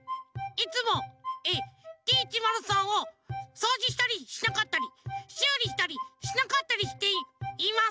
いつもＤ１０３をそうじしたりしなかったりしゅうりしたりしなかったりしていいます！